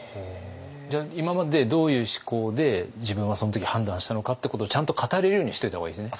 今までどういう思考で自分はその時判断したのかってことをちゃんと語れるようにしといた方がいいですね。